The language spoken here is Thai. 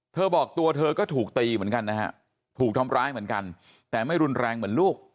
บอกตัวเธอก็ถูกตีเหมือนกันนะฮะถูกทำร้ายเหมือนกันแต่ไม่รุนแรงเหมือนลูก